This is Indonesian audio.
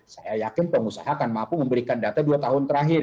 saya yakin pengusaha akan mampu memberikan data dua tahun terakhir